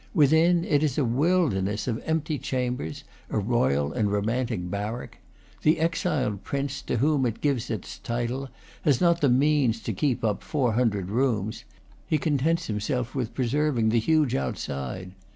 Within, it is a wilderness of empty chambers, a royal and romantic barrack. The exiled prince to whom it gives its title has not the means to keep up four hundred rooms; he contents himself with preserving the huge outside.